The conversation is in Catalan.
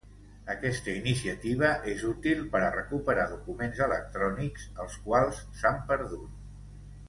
Aquesta iniciativa és útil per a recuperar documents electrònics els quals s'han perdut.